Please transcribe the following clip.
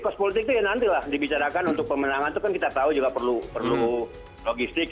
kos politik itu ya nantilah dibicarakan untuk pemenangan itu kan kita tahu juga perlu logistik